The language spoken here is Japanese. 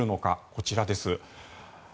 こちらです。